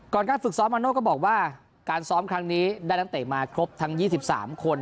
การฝึกซ้อมมาโน่ก็บอกว่าการซ้อมครั้งนี้ได้นักเตะมาครบทั้ง๒๓คน